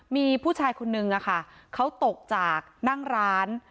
มีผู้ชายคนนึงอะค่ะเขาตกจากนั่งร้าน